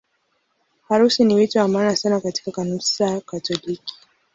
Harusi ni wito wa maana sana katika Kanisa Katoliki.